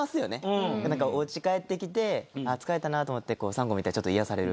おうち帰ってきて疲れたなと思ってサンゴ見たらちょっと癒やされる。